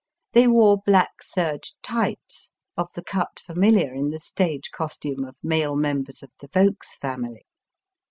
They wore black serge tights of the cut familiar in the stage costume of male members of the Yokes family.